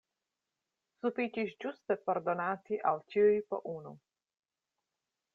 Sufiĉis ĝuste por donaci al ĉiuj po unu.